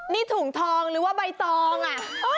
นี่ถุงทองหรือว่าใบตองอ่ะ